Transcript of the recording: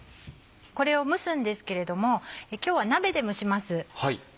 これを蒸すんですけれども今日は鍋で蒸します。